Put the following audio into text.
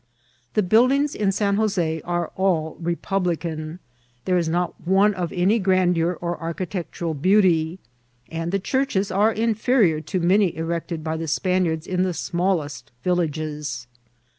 The buildings in San Jose are all republican ; there is not one of any grandeur or archi tectural beauty ; and the churches are inferior to many erected by the Spaniards in the smallest villages.